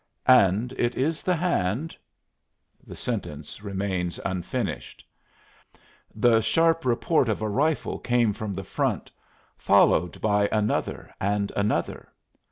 "And it is the hand " The sentence remains unfinished. The sharp report of a rifle came from the front, followed by another and another.